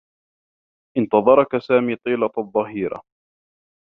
انتظرك سامي طيلة الظّهيرة.